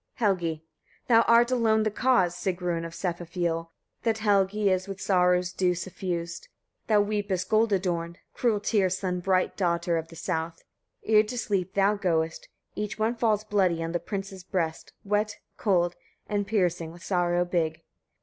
Helgi. 43. Thou art alone the cause, Sigrun of Sefafioll! that Helgi is with sorrow's dew suffused. Thou weepest, gold adorned! cruel tears, sun bright daughter of the south! ere to sleep thou goest; each one falls bloody on the prince's breast, wet, cold, and piercing, with sorrow big.